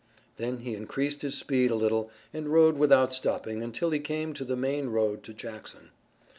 Then he increased his speed a little and rode without stopping until he came to the main road to Jackson.